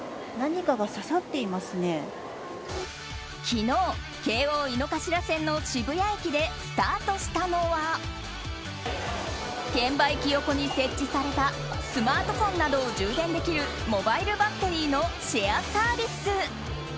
昨日、京王線の渋谷駅でスタートしたのは券売機横に設置されたスマートフォンなどを充電できるモバイルバッテリーのシェアサービス。